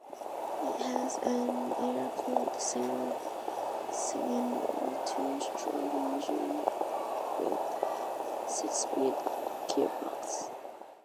It has an air-cooled single cylinder two-stroke engine with six speed gearbox.